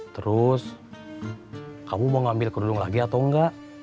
terus kamu mau ngambil kerudung lagi atau nggak